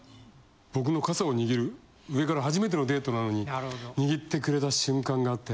僕の傘を握る上から初めてのデートなのに握ってくれた瞬間があって